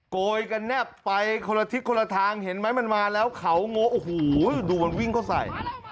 โกยกันแนบไปคนละทิศคนละทางเห็นไหมมันมาแล้วเขาโง่โอ้โหดูมันวิ่งเข้าใส่